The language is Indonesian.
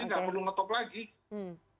minimal sudah ngetop duluan gitu